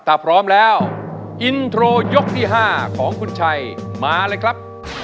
ถ้าพร้อมแล้วอินโทรยกที่๕ของคุณชัยมาเลยครับ